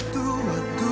aduh gimana ya